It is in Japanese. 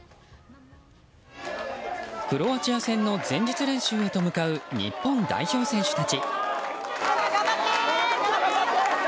クロアチア戦の前日練習へと向かう、日本代表選手たち。